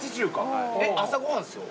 えっ朝ご飯ですよ？